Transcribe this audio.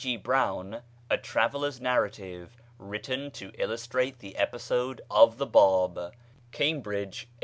G. Browne, A Traveller's Narrative, written to illustrate the Episode of the Bad (Cambridge, 1891).